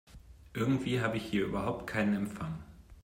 Irgendwie habe ich hier überhaupt keinen Empfang.